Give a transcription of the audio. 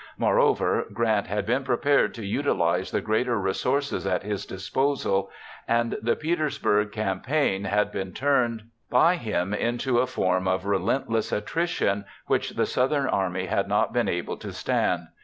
Moreover, Grant had been prepared to utilize the greater resources at his disposal, and the Petersburg campaign had been turned by him into a form of relentless attrition which the Southern army had not been able to stand.